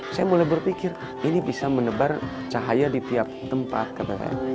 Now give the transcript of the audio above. saya mulai berpikir ini bisa menebar cahaya di tiap tempat katanya